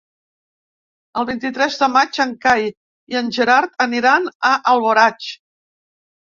El vint-i-tres de maig en Cai i en Gerard aniran a Alboraig.